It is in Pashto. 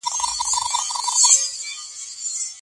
هغه د کابل د خلکو د ملاتړ له لارې بریا ترلاسه کړه.